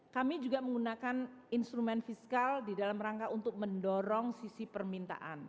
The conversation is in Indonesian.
kami juga menggunakan instrumen fiskal di dalam rangka untuk mendorong sisi permintaan